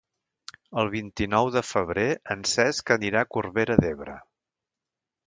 El vint-i-nou de febrer en Cesc anirà a Corbera d'Ebre.